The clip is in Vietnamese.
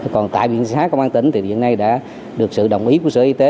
còn tại bệnh sát công an tỉnh thì hiện nay đã được sự đồng ý của sở y tế